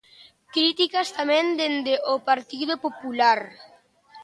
Críticas tamén dende o Partido Popular.